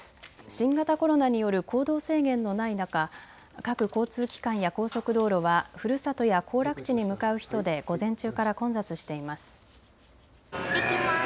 新型コロナによる行動制限のない中、各交通機関や高速道路はふるさとや行楽地に向かう人で午前中から混雑しています。